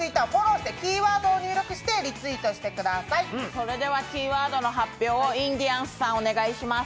それではキーワードの発表をインディアンスさんお願いします。